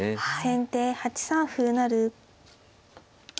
先手８三歩成。